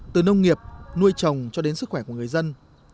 từ nông nghiệp nuôi trồng cho đến sức khỏe của người dân